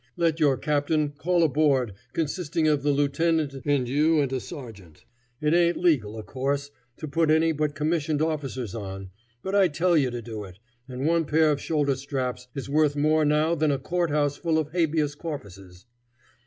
Let your captain call a board consisting of the lieutenant and you and a sergeant. It ain't legal, of course, to put any but commissioned officers on, but I tell you to do it, and one pair of shoulder straps is worth more now than a court house full of habeas corpuses.